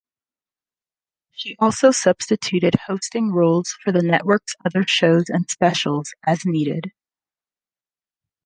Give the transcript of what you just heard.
She also substituted hosting roles for the network's other shows and specials, as needed.